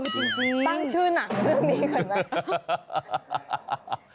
จริงตั้งชื่อหนังเรื่องนี้ก่อนนะ